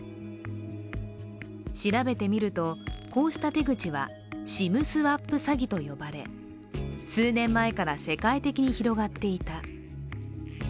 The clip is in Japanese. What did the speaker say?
調べてみると、こうした手口はＳＩＭスワップ詐欺と呼ばれ数年前から世界的に広がっていた。